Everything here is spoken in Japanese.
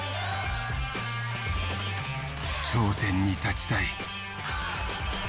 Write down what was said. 頂点に立ちたい。